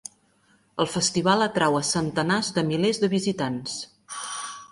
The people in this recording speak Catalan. El festival atrau a centenars de milers de visitants.